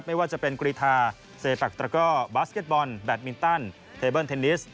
ไม่ว่าจะเป็นกรีธาเซปักตระก้อบาสเก็ตบอลแบตมินตันเทเบิ้เทนนิส